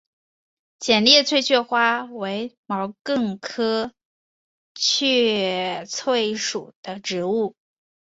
浅裂翠雀花为毛茛科翠雀属的植物。